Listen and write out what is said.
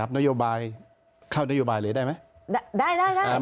นโยบายเข้านโยบายเลยได้ไหม